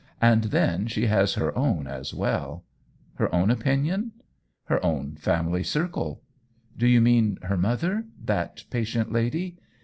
And then she has her own as well." " Her own opinion .^"" Her own family circle." " Do you mean her mother — that patient lady